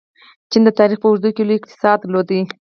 چین د تاریخ په اوږدو کې لوی اقتصاد درلود.